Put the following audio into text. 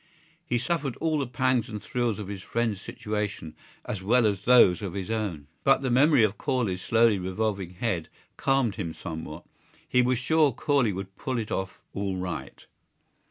He suffered all the pangs and thrills of his friend's situation as well as those of his own. But the memory of Corley's slowly revolving head calmed him somewhat: he was sure Corley would pull it off all right.